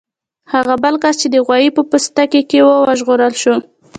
هغه بل کس چې د غوايي په پوستکي کې و وژغورل شو.